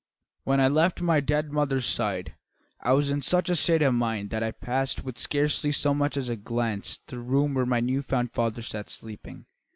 "When I left my dead mother's side I was in such a state of mind that I passed with scarcely so much as a glance the room where my new found father sat sleeping.